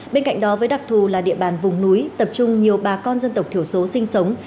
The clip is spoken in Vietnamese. bên cạnh đó với đặc thù là địa bàn vùng núi tập trung nhiều bà con dân tộc thiểu số sinh sống